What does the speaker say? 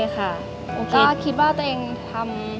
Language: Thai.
มาใหม่แน่นอนค่ะ